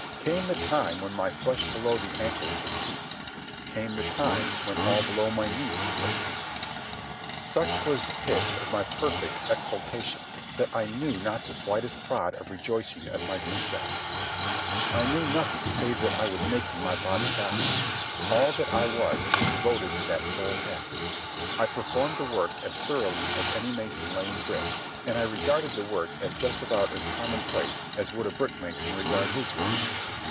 Came the time when my flesh below the ankles had ceased. Came the time when all below my knees had ceased. Such was the pitch of my perfect exaltation, that I knew not the slightest prod of rejoicing at my success. I knew nothing save that I was making my body die. All that was I was devoted to that sole task. I performed the work as thoroughly as any mason laying bricks, and I regarded the work as just about as commonplace as would a brick mason regard his work.